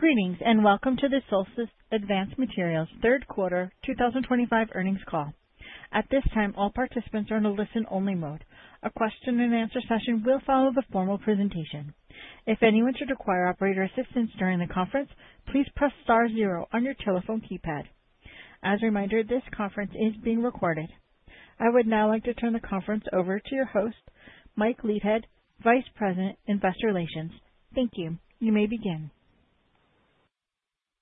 Greetings and welcome to the Solstice Advanced Materials third quarter 2025 earnings call. At this time, all participants are in a listen-only mode. A question-and-answer session will follow the formal presentation. If anyone should require operator assistance during the conference, please press star zero on your telephone keypad. As a reminder, this conference is being recorded. I would now like to turn the conference over to your host, Mike Leithead, Vice President, Investor Relations. Thank you. You may begin.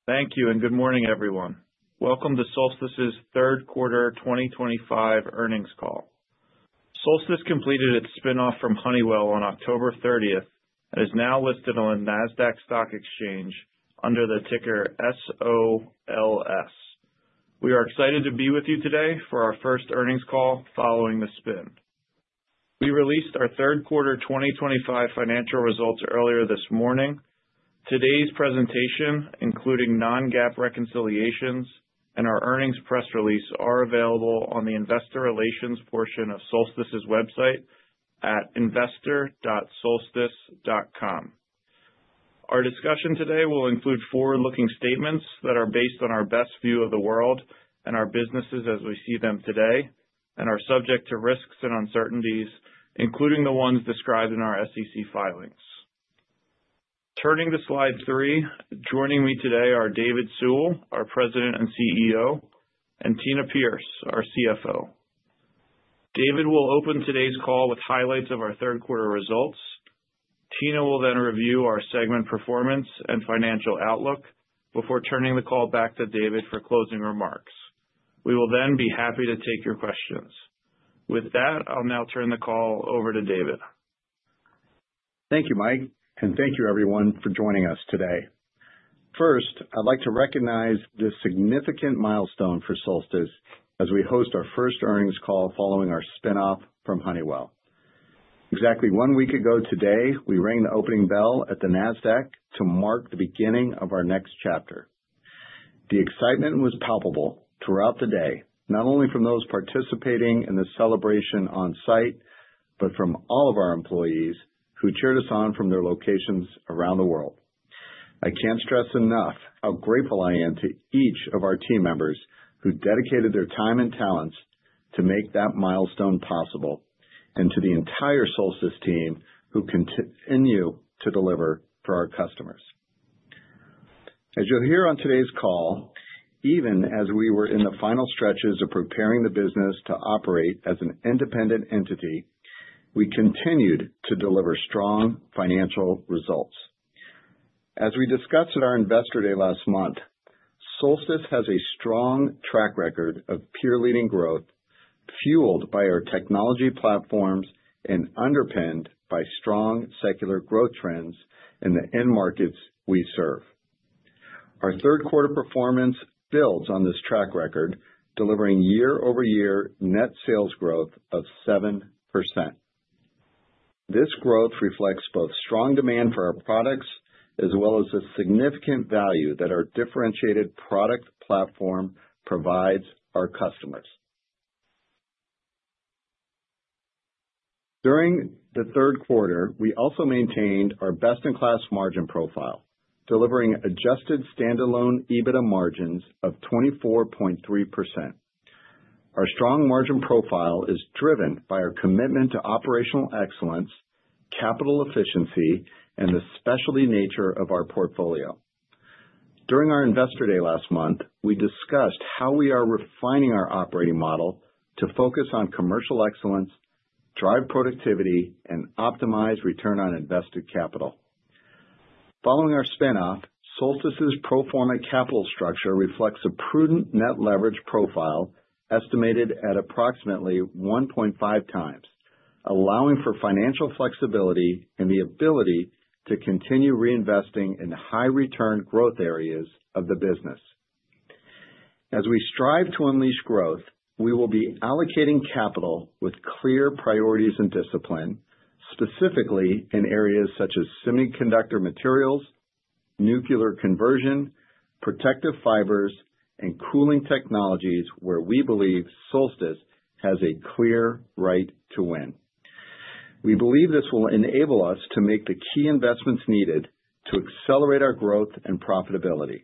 Thank you and good morning, everyone. Welcome to Solstice's third quarter 2025 earnings call. Solstice completed its spin-off from Honeywell on October 30th and is now listed on the Nasdaq Stock Exchange under the ticker SOLS. We are excited to be with you today for our first earnings call following the spin. We released our third quarter 2025 financial results earlier this morning. Today's presentation, including non-GAAP reconciliations and our earnings press release, are available on the Investor Relations portion of Solstice's website at investor.solstice.com. Our discussion today will include forward-looking statements that are based on our best view of the world and our businesses as we see them today, and are subject to risks and uncertainties, including the ones described in our SEC filings. Turning to slide three, joining me today are David Sewell, our President and CEO, and Tina Pierce, our CFO. David will open today's call with highlights of our third quarter results. Tina will then review our segment performance and financial outlook before turning the call back to David for closing remarks. We will then be happy to take your questions. With that, I'll now turn the call over to David. Thank you, Mike, and thank you, everyone, for joining us today. First, I'd like to recognize this significant milestone for Solstice as we host our first earnings call following our spin-off from Honeywell. Exactly one week ago today, we rang the opening bell at the Nasdaq to mark the beginning of our next chapter. The excitement was palpable throughout the day, not only from those participating in the celebration on site, but from all of our employees who cheered us on from their locations around the world. I can't stress enough how grateful I am to each of our team members who dedicated their time and talents to make that milestone possible, and to the entire Solstice team who continue to deliver for our customers. As you'll hear on today's call, even as we were in the final stretches of preparing the business to operate as an independent entity, we continued to deliver strong financial results. As we discussed at our investor day last month, Solstice has a strong track record of peer-leading growth fueled by our technology platforms and underpinned by strong secular growth trends in the end markets we serve. Our third quarter performance builds on this track record, delivering year-over-year net sales growth of 7%. This growth reflects both strong demand for our products as well as the significant value that our differentiated product platform provides our customers. During the third quarter, we also maintained our best-in-class margin profile, delivering adjusted standalone EBITDA margins of 24.3%. Our strong margin profile is driven by our commitment to operational excellence, capital efficiency, and the specialty nature of our portfolio. During our investor day last month, we discussed how we are refining our operating model to focus on commercial excellence, drive productivity, and optimize return on invested capital. Following our spin-off, Solstice's pro forma capital structure reflects a prudent net leverage profile estimated at approximately 1.5 times, allowing for financial flexibility and the ability to continue reinvesting in high-return growth areas of the business. As we strive to unleash growth, we will be allocating capital with clear priorities and discipline, specifically in areas such as semiconductor materials, nuclear conversion, protective fibers, and cooling technologies, where we believe Solstice has a clear right to win. We believe this will enable us to make the key investments needed to accelerate our growth and profitability.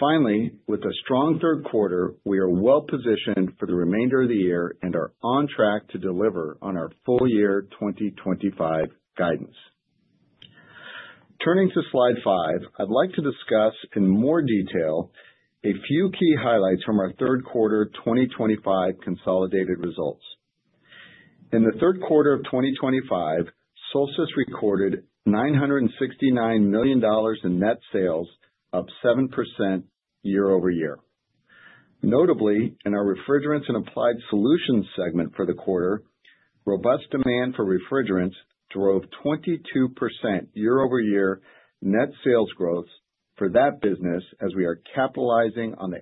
Finally, with a strong third quarter, we are well positioned for the remainder of the year and are on track to deliver on our full-year 2025 guidance. Turning to slide five, I'd like to discuss in more detail a few key highlights from our third quarter 2025 consolidated results. In the third quarter of 2025, Solstice recorded $969 million in net sales, up 7% year-over-year. Notably, in our Refrigerants and Applied Solutions segment for the quarter, robust demand for refrigerants drove 22% year-over-year net sales growth for that business as we are capitalizing on the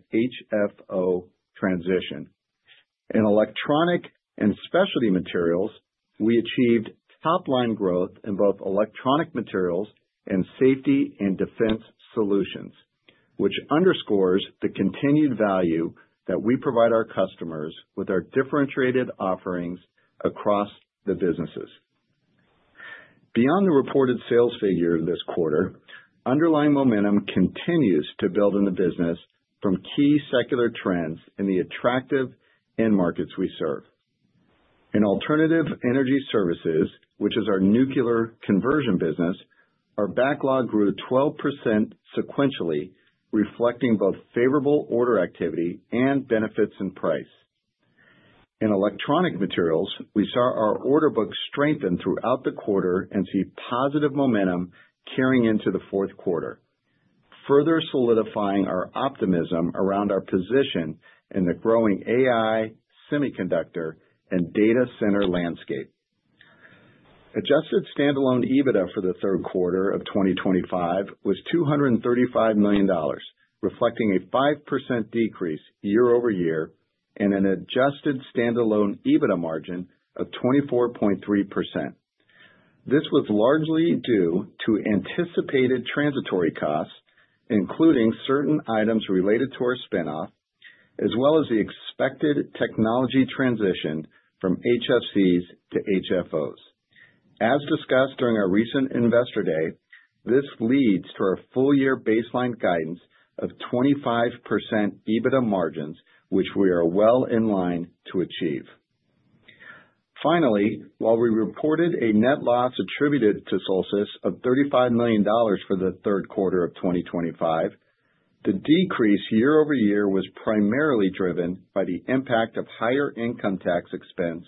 HFO transition. In Electronic and Specialty Materials, we achieved top-line growth in both Electronic Materials and Safety and Defense Solutions, which underscores the continued value that we provide our customers with our differentiated offerings across the businesses. Beyond the reported sales figure this quarter, underlying momentum continues to build in the business from key secular trends in the attractive end markets we serve. In Alternative Energy Services, which is our nuclear conversion business, our backlog grew 12% sequentially, reflecting both favorable order activity and benefits in price. In Electronic Materials, we saw our order book strengthen throughout the quarter and see positive momentum carrying into the fourth quarter, further solidifying our optimism around our position in the growing AI, semiconductor, and data center landscape. Adjusted standalone EBITDA for the third quarter of 2025 was $235 million, reflecting a 5% decrease year-over-year and an adjusted standalone EBITDA margin of 24.3%. This was largely due to anticipated transitory costs, including certain items related to our spin-off, as well as the expected technology transition from HFCs to HFOs. As discussed during our recent Investor Day, this leads to our full-year baseline guidance of 25% EBITDA margins, which we are well in line to achieve. Finally, while we reported a net loss attributed to Solstice of $35 million for the third quarter of 2025, the decrease year-over-year was primarily driven by the impact of higher income tax expense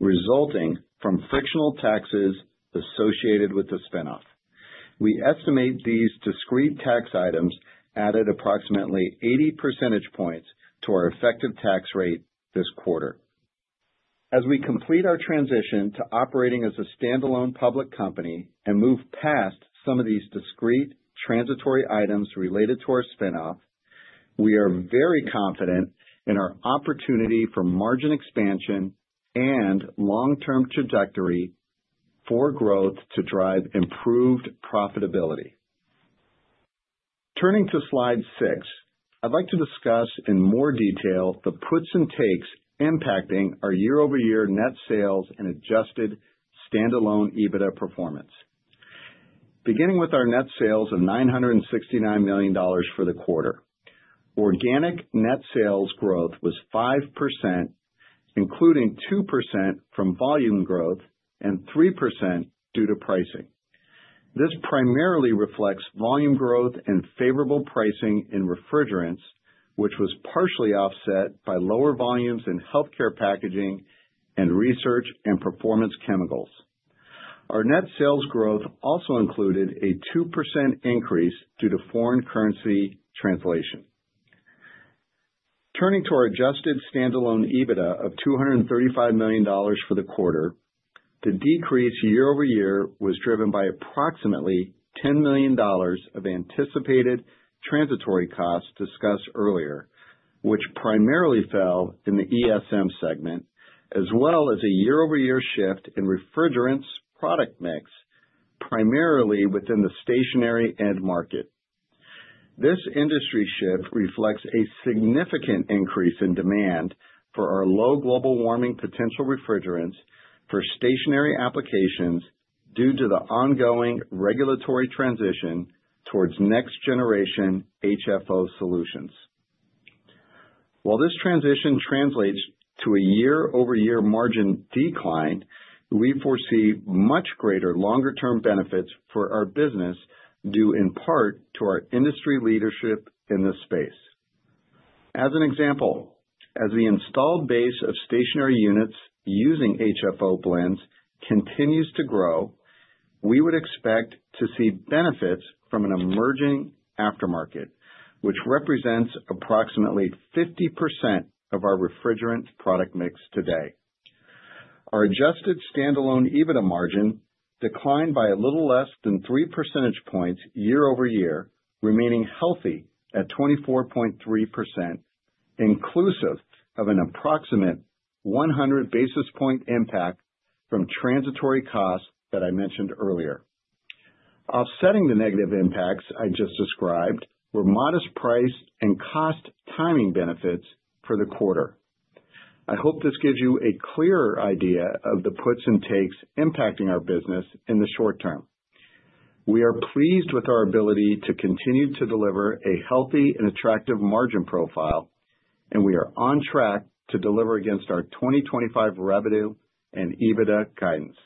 resulting from frictional taxes associated with the spin-off. We estimate these discrete tax items added approximately 80 percentage points to our effective tax rate this quarter. As we complete our transition to operating as a standalone public company and move past some of these discrete transitory items related to our spin-off, we are very confident in our opportunity for margin expansion and long-term trajectory for growth to drive improved profitability. Turning to slide six, I'd like to discuss in more detail the puts and takes impacting our year-over-year net sales and adjusted standalone EBITDA performance. Beginning with our net sales of $969 million for the quarter, organic net sales growth was 5%, including 2% from volume growth and 3% due to pricing. This primarily reflects volume growth and favorable pricing in refrigerants, which was partially offset by lower volumes in Healthcare Packaging and Research and Performance Chemicals. Our net sales growth also included a 2% increase due to foreign currency translation. Turning to our adjusted standalone EBITDA of $235 million for the quarter, the decrease year-over-year was driven by approximately $10 million of anticipated transitory costs discussed earlier, which primarily fell in the ESM segment, as well as a year-over-year shift in refrigerants product mix, primarily within the stationary end market. This industry shift reflects a significant increase in demand for our low-global-warming-potential refrigerants for stationary applications due to the ongoing regulatory transition towards next-generation HFO solutions. While this transition translates to a year-over-year margin decline, we foresee much greater longer-term benefits for our business due in part to our industry leadership in the space. As an example, as the installed base of stationary units using HFO blends continues to grow, we would expect to see benefits from an emerging aftermarket, which represents approximately 50% of our refrigerant product mix today. Our adjusted standalone EBITDA margin declined by a little less than three percentage points year-over-year, remaining healthy at 24.3%, inclusive of an approximate 100 basis point impact from transitory costs that I mentioned earlier. Offsetting the negative impacts I just described were modest price and cost timing benefits for the quarter. I hope this gives you a clearer idea of the puts and takes impacting our business in the short term. We are pleased with our ability to continue to deliver a healthy and attractive margin profile, and we are on track to deliver against our 2025 revenue and EBITDA guidance.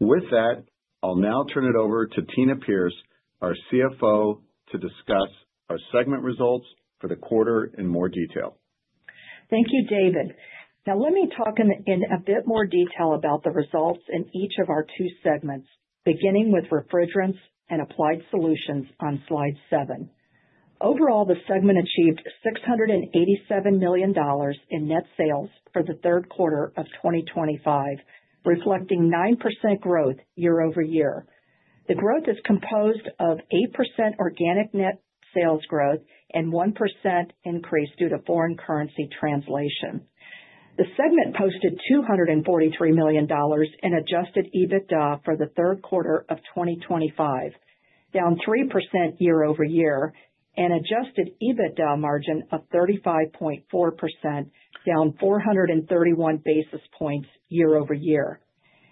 With that, I'll now turn it over to Tina Pierce, our CFO, to discuss our segment results for the quarter in more detail. Thank you, David. Now, let me talk in a bit more detail about the results in each of our two segments, beginning with Refrigerants and Applied Solutions on slide seven. Overall, the segment achieved $687 million in net sales for the third quarter of 2025, reflecting 9% growth year-over-year. The growth is composed of 8% organic net sales growth and 1% increase due to foreign currency translation. The segment posted $243 million in adjusted EBITDA for the third quarter of 2025, down 3% year-over-year, and adjusted EBITDA margin of 35.4%, down 431 basis points year-over-year.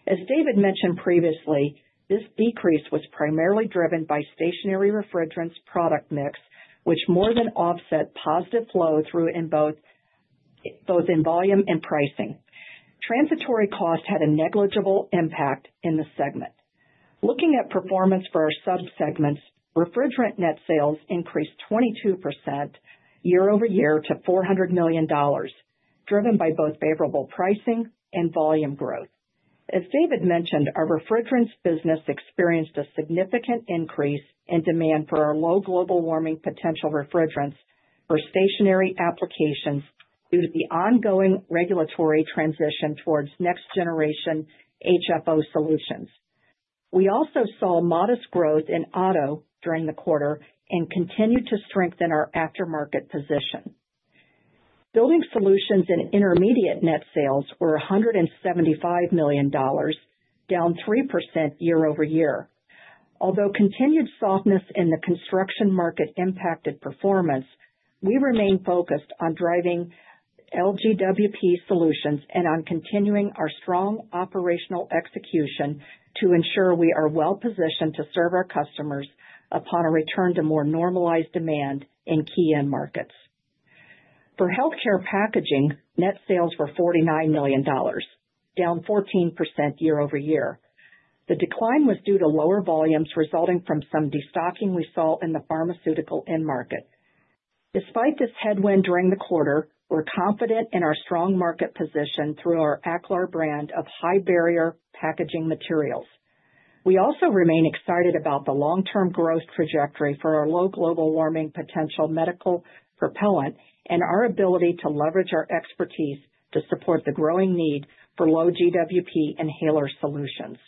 As David mentioned previously, this decrease was primarily driven by stationary refrigerants product mix, which more than offset positive flow through both in volume and pricing. Transitory cost had a negligible impact in the segment. Looking at performance for our subsegments, refrigerant net sales increased 22% year-over-year to $400 million, driven by both favorable pricing and volume growth. As David mentioned, our refrigerants business experienced a significant increase in demand for our low-global-warming-potential refrigerants for stationary applications due to the ongoing regulatory transition towards next-generation HFO solutions. We also saw modest growth in auto during the quarter and continued to strengthen our aftermarket position. Building Solutions and Intermediates net sales were $175 million, down 3% year-over-year. Although continued softness in the construction market impacted performance, we remain focused on driving LGWP solutions and on continuing our strong operational execution to ensure we are well positioned to serve our customers upon a return to more normalized demand in key end markets. For Healthcare Packaging, net sales were $49 million, down 14% year-over-year. The decline was due to lower volumes resulting from some destocking we saw in the pharmaceutical end market. Despite this headwind during the quarter, we're confident in our strong market position through our Aclar brand of high-barrier packaging materials. We also remain excited about the long-term growth trajectory for our low-global-warming-potential medical propellant and our ability to leverage our expertise to support the growing need for low GWP inhaler solutions.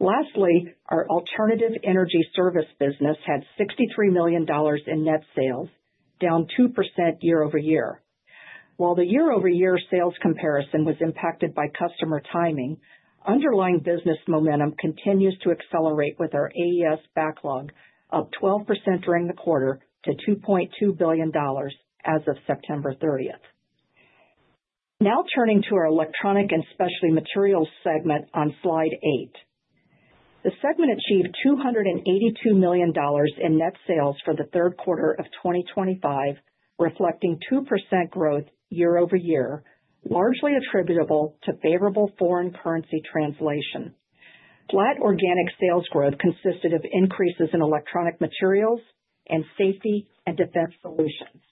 Lastly, our Alternative Energy Service business had $63 million in net sales, down 2% year-over-year. While the year-over-year sales comparison was impacted by customer timing, underlying business momentum continues to accelerate with our AES backlog up 12% during the quarter to $2.2 billion as of September 30th. Now turning to our Electronic and Specialty Materials segment on slide eight, the segment achieved $282 million in net sales for the third quarter of 2025, reflecting 2% growth year-over-year, largely attributable to favorable foreign currency translation. Flat organic sales growth consisted of increases in Electronic Materials and Safety and Defense Solutions,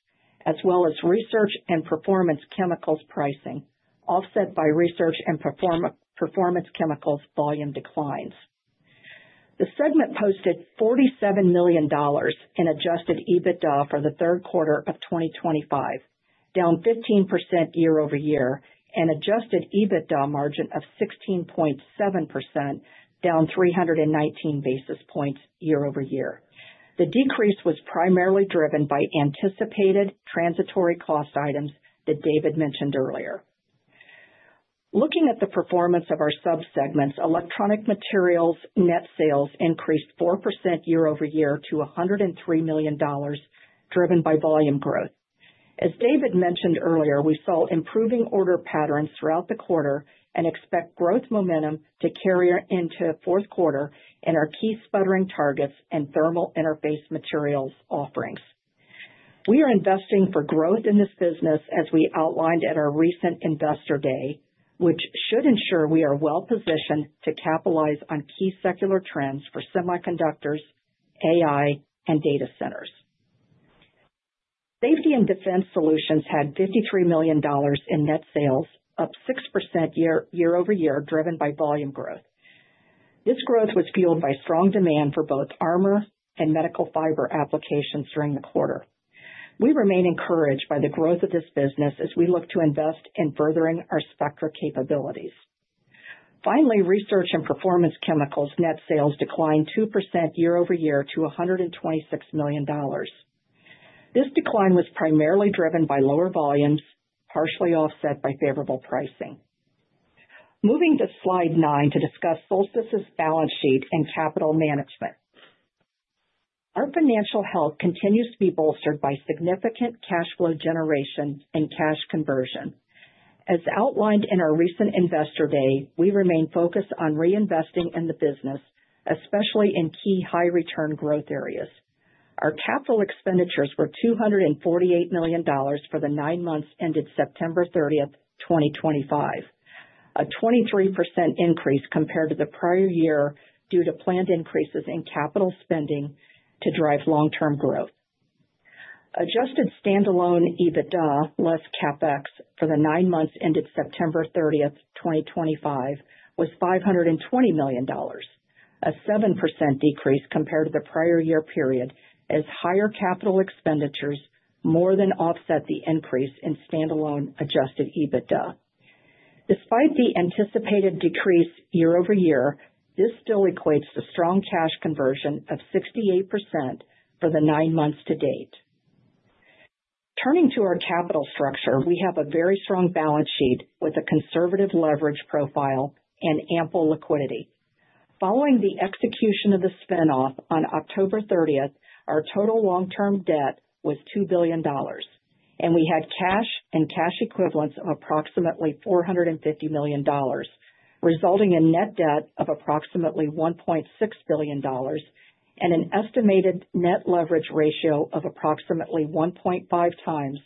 as well as Research and Performance Chemicals pricing, offset by Research and Performance Chemicals volume declines. The segment posted $47 million in adjusted EBITDA for the third quarter of 2025, down 15% year-over-year, and adjusted EBITDA margin of 16.7%, down 319 basis points year-over-year. The decrease was primarily driven by anticipated transitory cost items that David mentioned earlier. Looking at the performance of our subsegments, Electronic Materials net sales increased 4% year-over-year to $103 million, driven by volume growth. As David mentioned earlier, we saw improving order patterns throughout the quarter and expect growth momentum to carry into the fourth quarter in our key sputtering targets and thermal interface materials offerings. We are investing for growth in this business, as we outlined at our recent Investor Day, which should ensure we are well positioned to capitalize on key secular trends for semiconductors, AI, and data centers. Safety and Defense Solutions had $53 million in net sales, up 6% year-over-year, driven by volume growth. This growth was fueled by strong demand for both armor and medical fiber applications during the quarter. We remain encouraged by the growth of this business as we look to invest in furthering our Spectra capabilities. Finally, Research and Performance Chemicals net sales declined 2% year-over-year to $126 million. This decline was primarily driven by lower volumes, partially offset by favorable pricing. Moving to slide nine to discuss Solstice's balance sheet and capital management. Our financial health continues to be bolstered by significant cash flow generation and cash conversion. As outlined in our recent Investor Day, we remain focused on reinvesting in the business, especially in key high-return growth areas. Our capital expenditures were $248 million for the nine months ended September 30th, 2025, a 23% increase compared to the prior year due to planned increases in capital spending to drive long-term growth. Adjusted standalone EBITDA, less CapEx for the nine months ended September 30th, 2025, was $520 million, a 7% decrease compared to the prior year period, as higher capital expenditures more than offset the increase in standalone adjusted EBITDA. Despite the anticipated decrease year-over-year, this still equates to strong cash conversion of 68% for the nine months to date. Turning to our capital structure, we have a very strong balance sheet with a conservative leverage profile and ample liquidity. Following the execution of the spin-off on October 30th, our total long-term debt was $2 billion, and we had cash and cash equivalents of approximately $450 million, resulting in net debt of approximately $1.6 billion and an estimated net leverage ratio of approximately 1.5 times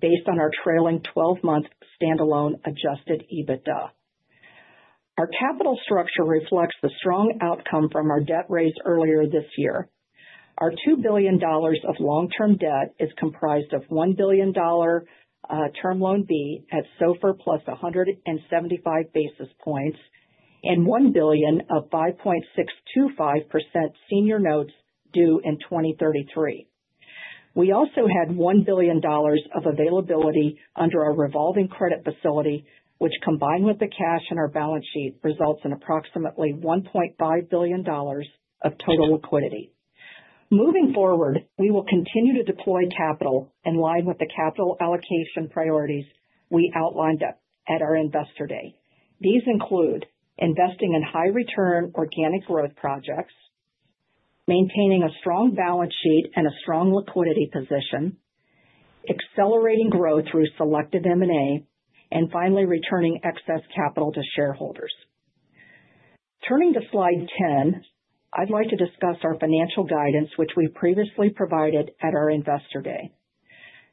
based on our trailing 12-month standalone adjusted EBITDA. Our capital structure reflects the strong outcome from our debt raise earlier this year. Our $2 billion of long-term debt is comprised of $1 billion Term Loan B at SOFR plus 175 basis points and $1 billion of 5.625% senior notes due in 2033. We also had $1 billion of availability under our revolving credit facility, which, combined with the cash in our balance sheet, results in approximately $1.5 billion of total liquidity. Moving forward, we will continue to deploy capital in line with the capital allocation priorities we outlined at our Investor Day. These include investing in high-return organic growth projects, maintaining a strong balance sheet and a strong liquidity position, accelerating growth through selective M&A, and finally returning excess capital to shareholders. Turning to slide 10, I'd like to discuss our financial guidance, which we've previously provided at our Investor Day.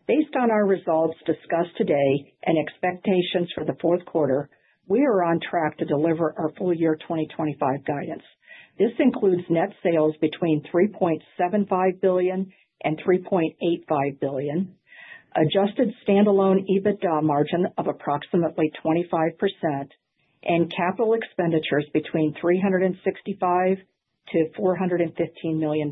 Based on our results discussed today and expectations for the fourth quarter, we are on track to deliver our full year 2025 guidance. This includes net sales between $3.75 billion and $3.85 billion, adjusted standalone EBITDA margin of approximately 25%, and capital expenditures between $365 million-$415 million.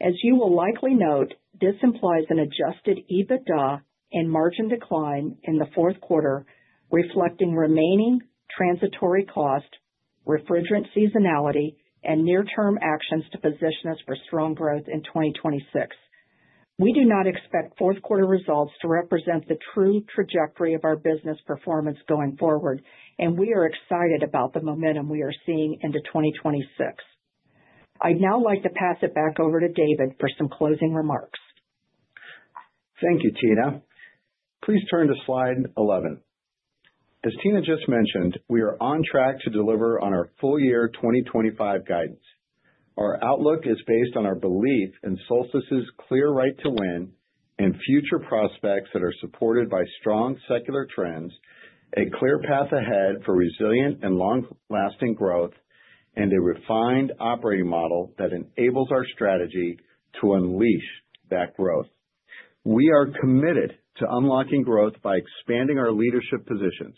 As you will likely note, this implies an adjusted EBITDA and margin decline in the fourth quarter, reflecting remaining transitory cost, refrigerant seasonality, and near-term actions to position us for strong growth in 2026. We do not expect fourth quarter results to represent the true trajectory of our business performance going forward, and we are excited about the momentum we are seeing into 2026. I'd now like to pass it back over to David for some closing remarks. Thank you, Tina. Please turn to slide 11. As Tina just mentioned, we are on track to deliver on our full year 2025 guidance. Our outlook is based on our belief in Solstice's clear right to win and future prospects that are supported by strong secular trends, a clear path ahead for resilient and long-lasting growth, and a refined operating model that enables our strategy to unleash that growth. We are committed to unlocking growth by expanding our leadership positions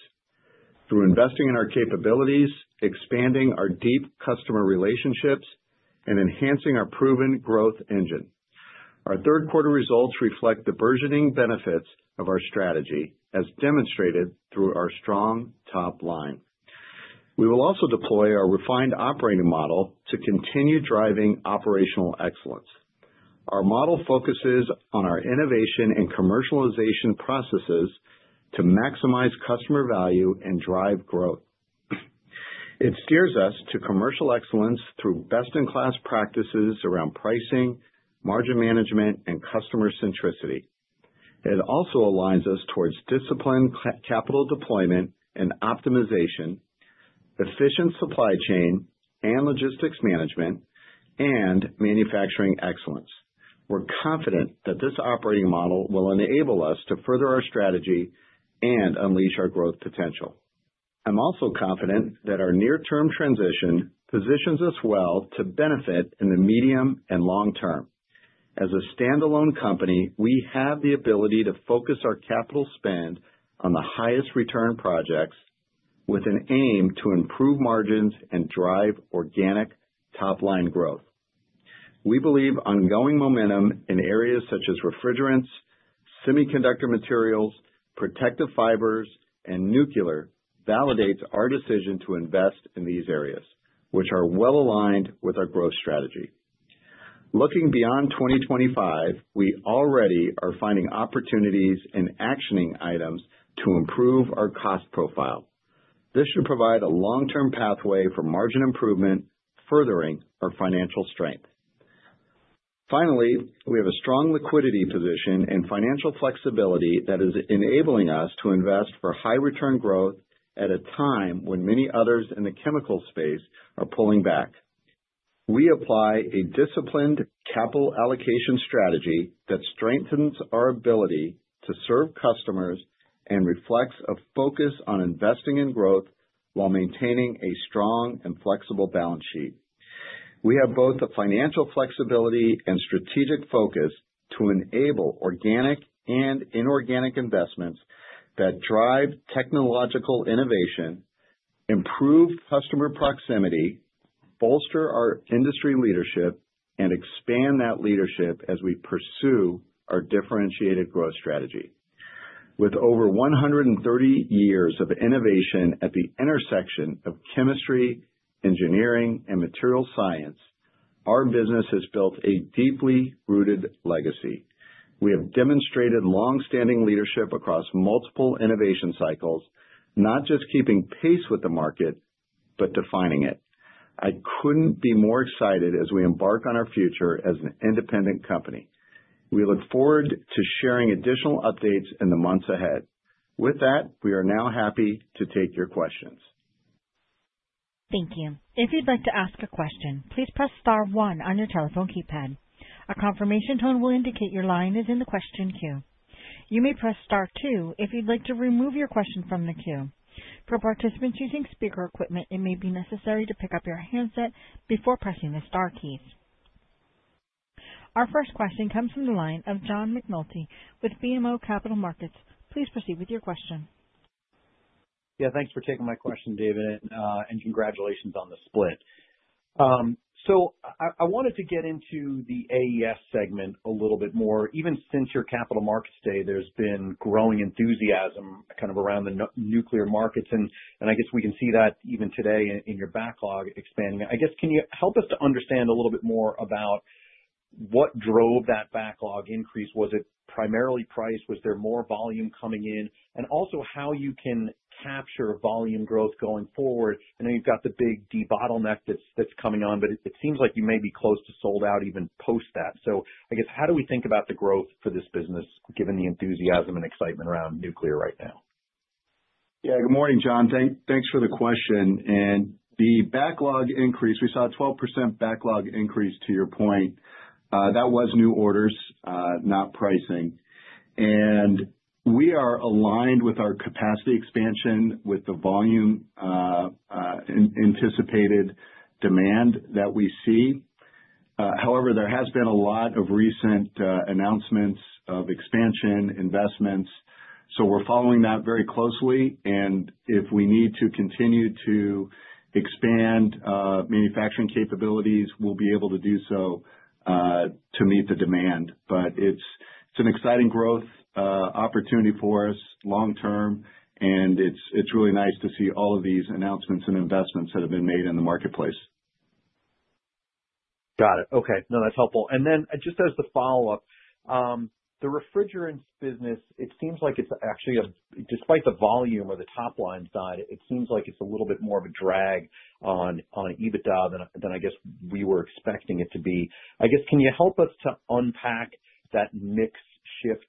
through investing in our capabilities, expanding our deep customer relationships, and enhancing our proven growth engine. Our third quarter results reflect the burgeoning benefits of our strategy, as demonstrated through our strong top line. We will also deploy our refined operating model to continue driving operational excellence. Our model focuses on our innovation and commercialization processes to maximize customer value and drive growth. It steers us to commercial excellence through best-in-class practices around pricing, margin management, and customer centricity. It also aligns us towards disciplined capital deployment and optimization, efficient supply chain and logistics management, and manufacturing excellence. We're confident that this operating model will enable us to further our strategy and unleash our growth potential. I'm also confident that our near-term transition positions us well to benefit in the medium and long term. As a standalone company, we have the ability to focus our capital spend on the highest return projects with an aim to improve margins and drive organic top-line growth. We believe ongoing momentum in areas such as refrigerants, semiconductor materials, protective fibers, and nuclear validates our decision to invest in these areas, which are well aligned with our growth strategy. Looking beyond 2025, we already are finding opportunities and actioning items to improve our cost profile. This should provide a long-term pathway for margin improvement, furthering our financial strength. Finally, we have a strong liquidity position and financial flexibility that is enabling us to invest for high-return growth at a time when many others in the chemical space are pulling back. We apply a disciplined capital allocation strategy that strengthens our ability to serve customers and reflects a focus on investing in growth while maintaining a strong and flexible balance sheet. We have both the financial flexibility and strategic focus to enable organic and inorganic investments that drive technological innovation, improve customer proximity, bolster our industry leadership, and expand that leadership as we pursue our differentiated growth strategy. With over 130 years of innovation at the intersection of chemistry, engineering, and materials science, our business has built a deeply rooted legacy. We have demonstrated long-standing leadership across multiple innovation cycles, not just keeping pace with the market, but defining it. I couldn't be more excited as we embark on our future as an independent company. We look forward to sharing additional updates in the months ahead. With that, we are now happy to take your questions. Thank you. If you'd like to ask a question, please press Star one on your telephone keypad. A confirmation tone will indicate your line is in the question queue. You may press Star two if you'd like to remove your question from the queue. For participants using speaker equipment, it may be necessary to pick up your handset before pressing the Star keys. Our first question comes from the line of John McNulty with BMO Capital Markets. Please proceed with your question. Yeah, thanks for taking my question, David, and congratulations on the split. I wanted to get into the AES segment a little bit more. Even since your Capital Markets Day, there's been growing enthusiasm kind of around the nuclear markets, and I guess we can see that even today in your backlog expanding. I guess, can you help us to understand a little bit more about what drove that backlog increase? Was it primarily price? Was there more volume coming in? Also, how you can capture volume growth going forward? I know you've got the big debottleneck that's coming on, but it seems like you may be close to sold out even post that. I guess, how do we think about the growth for this business, given the enthusiasm and excitement around nuclear right now? Yeah, good morning, John. Thanks for the question. The backlog increase, we saw a 12% backlog increase, to your point. That was new orders, not pricing. We are aligned with our capacity expansion, with the volume anticipated demand that we see. There has been a lot of recent announcements of expansion investments, so we're following that very closely. If we need to continue to expand manufacturing capabilities, we'll be able to do so to meet the demand. It is an exciting growth opportunity for us long term, and it's really nice to see all of these announcements and investments that have been made in the marketplace. Got it. Okay. No, that's helpful. Just as the follow-up, the refrigerants business, it seems like it's actually, despite the volume or the top line side, it seems like it's a little bit more of a drag on EBITDA than I guess we were expecting it to be. I guess, can you help us to unpack that mix shift,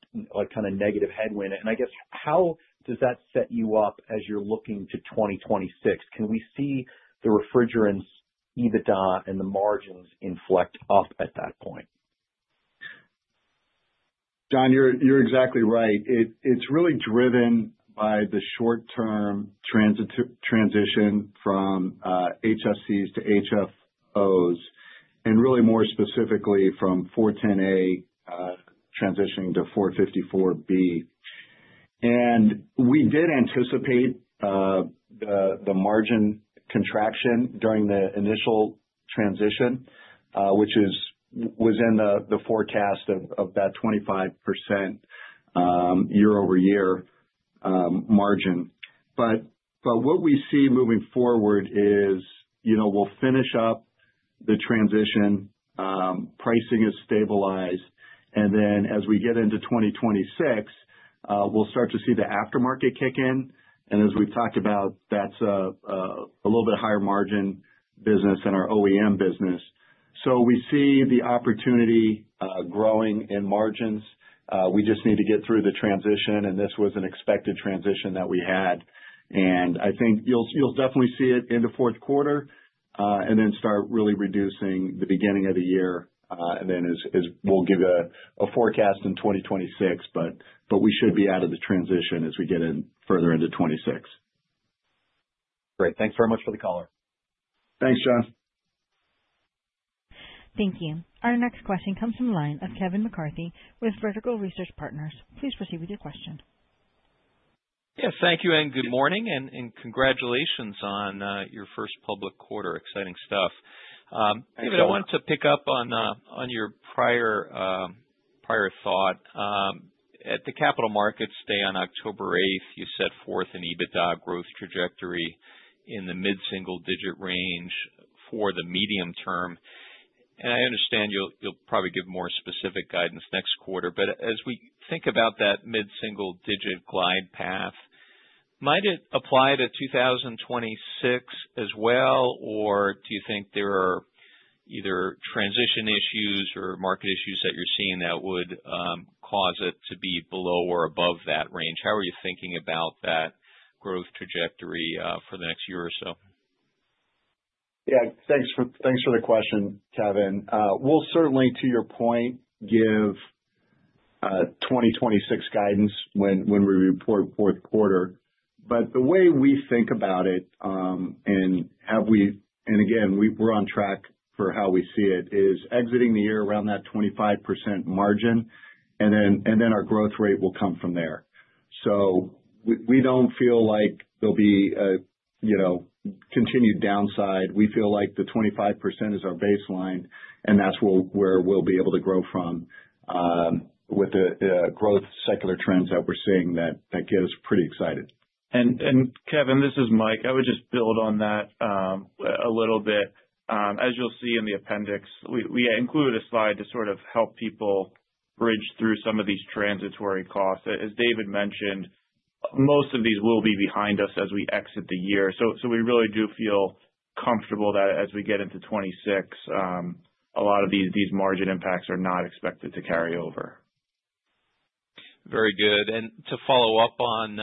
kind of negative headwind? I guess, how does that set you up as you're looking to 2026? Can we see the refrigerants EBITDA and the margins inflect up at that point? John, you're exactly right. It's really driven by the short-term transition from HFCs to HFOs, and really more specifically from R-410A transitioning to R-454B. We did anticipate the margin contraction during the initial transition, which was in the forecast of that 25% year-over-year margin. What we see moving forward is we'll finish up the transition, pricing has stabilized, and as we get into 2026, we'll start to see the aftermarket kick in. As we've talked about, that's a little bit higher margin business than our OEM business. We see the opportunity growing in margins. We just need to get through the transition, and this was an expected transition that we had. I think you'll definitely see it in the fourth quarter and then start really reducing the beginning of the year. We will give you a forecast in 2026, but we should be out of the transition as we get further into 2026. Great. Thanks very much for the color. Thanks, John. Thank you. Our next question comes from the line of Kevin McCarthy with Vertical Research Partners. Please proceed with your question. Yes, thank you and good morning, and congratulations on your first public quarter. Exciting stuff. David, I wanted to pick up on your prior thought. At the Capital Markets Day on October 8th, you set forth an EBITDA growth trajectory in the mid-single-digit range for the medium term. I understand you'll probably give more specific guidance next quarter. As we think about that mid-single-digit glide path, might it apply to 2026 as well, or do you think there are either transition issues or market issues that you're seeing that would cause it to be below or above that range? How are you thinking about that growth trajectory for the next year or so? Yeah, thanks for the question, Kevin. We'll certainly, to your point, give 2026 guidance when we report fourth quarter. The way we think about it, and again, we're on track for how we see it, is exiting the year around that 25% margin, and then our growth rate will come from there. We don't feel like there'll be a continued downside. We feel like the 25% is our baseline, and that's where we'll be able to grow from with the growth secular trends that we're seeing that get us pretty excited. Kevin, this is Mike. I would just build on that a little bit. As you'll see in the appendix, we included a slide to sort of help people bridge through some of these transitory costs. As David mentioned, most of these will be behind us as we exit the year. We really do feel comfortable that as we get into 2026, a lot of these margin impacts are not expected to carry over. Very good. To follow up on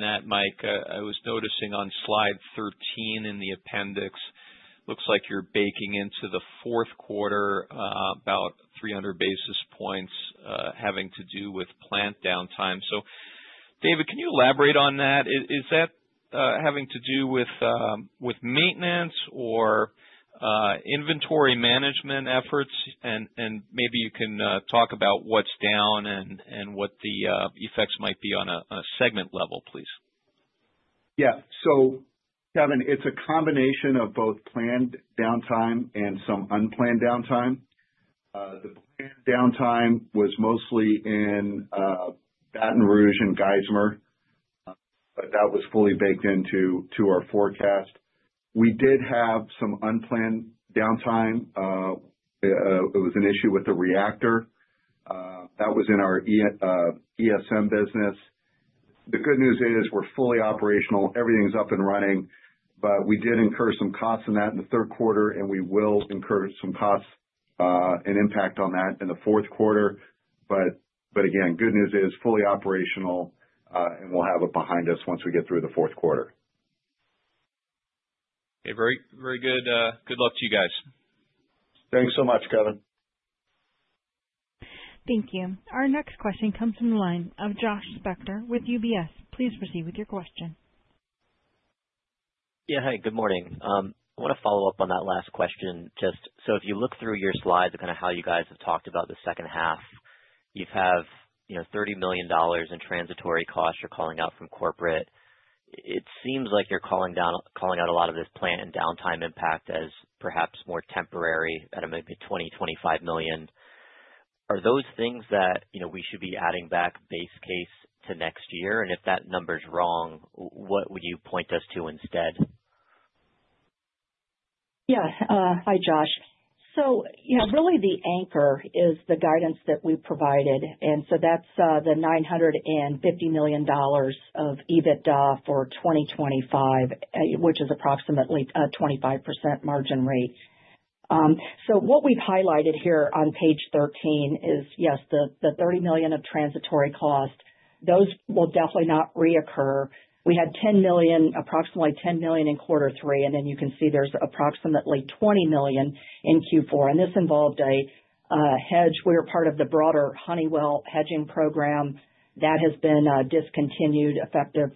that, Mike, I was noticing on slide 13 in the appendix, looks like you're baking into the fourth quarter about 300 basis points having to do with plant downtime. David, can you elaborate on that? Is that having to do with maintenance or inventory management efforts? Maybe you can talk about what's down and what the effects might be on a segment level, please. Yeah. Kevin, it's a combination of both planned downtime and some unplanned downtime. The planned downtime was mostly in Baton Rouge and Geismar, but that was fully baked into our forecast. We did have some unplanned downtime. It was an issue with the reactor. That was in our ESM business. The good news is we're fully operational. Everything's up and running, but we did incur some costs in that in the third quarter, and we will incur some costs and impact on that in the fourth quarter. Again, good news is fully operational, and we'll have it behind us once we get through the fourth quarter. Hey, very good. Good luck to you guys. Thanks so much, Kevin. Thank you. Our next question comes from the line of Josh Spector with UBS. Please proceed with your question. Yeah, hi, good morning. I want to follow up on that last question. Just so if you look through your slides of kind of how you guys have talked about the second half, you have $30 million in transitory costs you're calling out from corporate. It seems like you're calling out a lot of this plant and downtime impact as perhaps more temporary at a $20-$25 million. Are those things that we should be adding back base case to next year? And if that number's wrong, what would you point us to instead? Yeah. Hi, Josh. Really the anchor is the guidance that we provided. That is the $950 million of EBITDA for 2025, which is approximately a 25% margin rate. What we have highlighted here on page 13 is, yes, the $30 million of transitory costs, those will definitely not reoccur. We had $10 million, approximately $10 million in quarter three. You can see there is approximately $20 million in Q4. This involved a hedge. We are part of the broader Honeywell hedging program that has been discontinued effective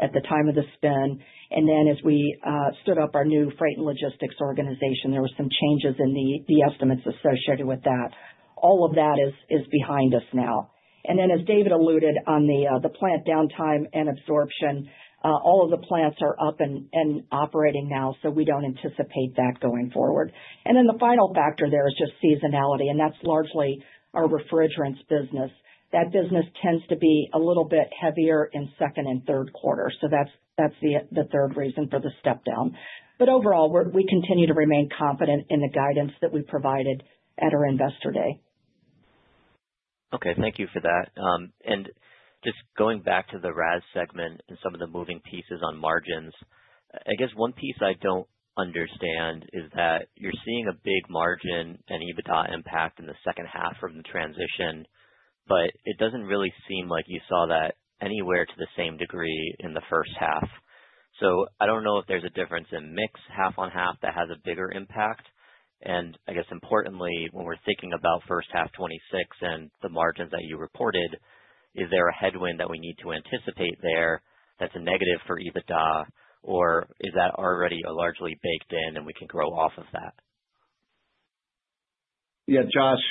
at the time of the spin. As we stood up our new freight and logistics organization, there were some changes in the estimates associated with that. All of that is behind us now. As David alluded on the plant downtime and absorption, all of the plants are up and operating now, so we do not anticipate that going forward. The final factor there is just seasonality, and that is largely our refrigerants business. That business tends to be a little bit heavier in second and third quarter. That is the third reason for the step down. Overall, we continue to remain confident in the guidance that we provided at our Investor Day. Okay. Thank you for that. Just going back to the RAS segment and some of the moving pieces on margins, I guess one piece I don't understand is that you're seeing a big margin and EBITDA impact in the second half from the transition, but it doesn't really seem like you saw that anywhere to the same degree in the first half. I don't know if there's a difference in mix half on half that has a bigger impact. I guess importantly, when we're thinking about first half 2026 and the margins that you reported, is there a headwind that we need to anticipate there that's a negative for EBITDA, or is that already largely baked in and we can grow off of that? Yeah, Josh,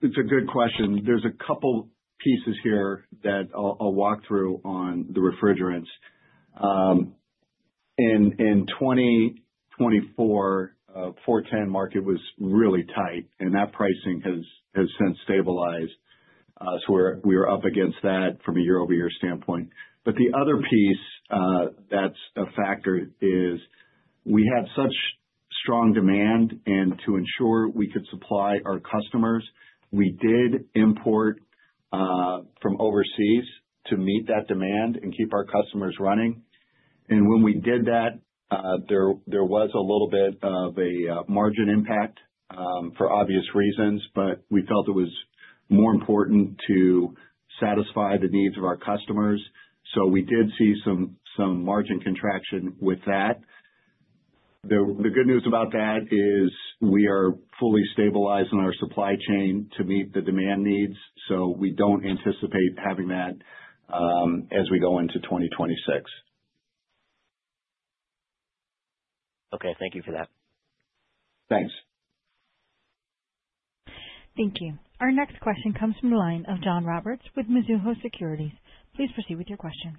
it's a good question. There's a couple pieces here that I'll walk through on the refrigerants. In 2024, R-410A market was really tight, and that pricing has since stabilized. We were up against that from a year-over-year standpoint. The other piece that's a factor is we had such strong demand, and to ensure we could supply our customers, we did import from overseas to meet that demand and keep our customers running. When we did that, there was a little bit of a margin impact for obvious reasons, but we felt it was more important to satisfy the needs of our customers. We did see some margin contraction with that. The good news about that is we are fully stabilized in our supply chain to meet the demand needs, so we don't anticipate having that as we go into 2026. Okay. Thank you for that. Thanks. Thank you. Our next question comes from the line of John Roberts with Mizuho Securities. Please proceed with your question.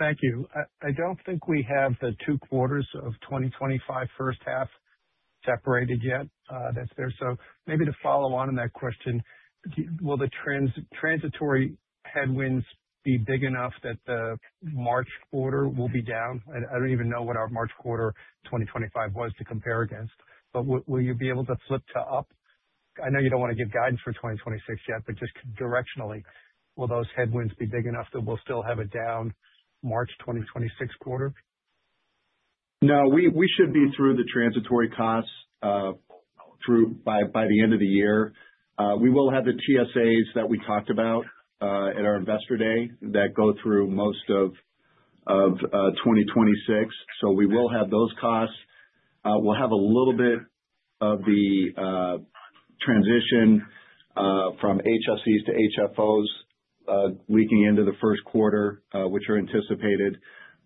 Thank you. I don't think we have the two quarters of 2025 first half separated yet. That's fair. Maybe to follow on on that question, will the transitory headwinds be big enough that the March quarter will be down? I don't even know what our March quarter 2025 was to compare against, but will you be able to flip to up? I know you don't want to give guidance for 2026 yet, but just directionally, will those headwinds be big enough that we'll still have a down March 2026 quarter? No, we should be through the transitory costs by the end of the year. We will have the TSAs that we talked about at our Investor Day that go through most of 2026. We will have those costs. We'll have a little bit of the transition from HFCs to HFOs leaking into the first quarter, which are anticipated.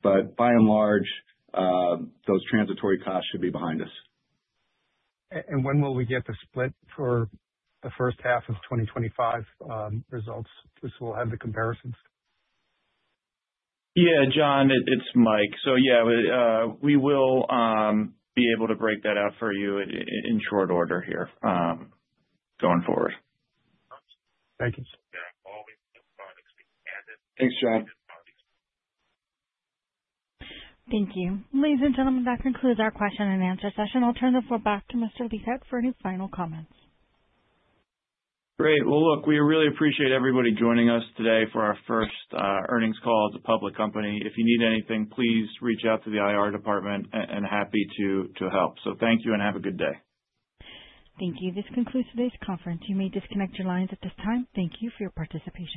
By and large, those transitory costs should be behind us. When will we get the split for the first half of 2025 results? We'll have the comparisons. Yeah, John, it's Mike. Yeah, we will be able to break that out for you in short order here going forward. Thank you. Thank you. Ladies and gentlemen, that concludes our question-and-answer session. I'll turn the floor back to Mr. Leithead for any final comments. Great. We really appreciate everybody joining us today for our first earnings call as a public company. If you need anything, please reach out to the IR department, and happy to help. Thank you and have a good day. Thank you. This concludes today's conference. You may disconnect your lines at this time. Thank you for your participation.